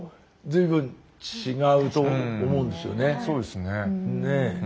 そうですね。